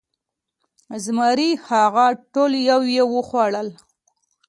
زمري هغه ټول یو یو وخوړل.